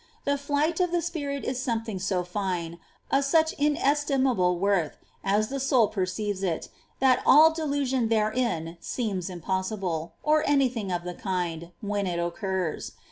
The flight of the spirit is something so fine, of such inestimable worth, as the soul perceives it, that all delusion therein seems impossible, or any thing of the kind, when it occurs.